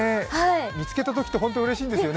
見つけたときって本当にうれしいですよね。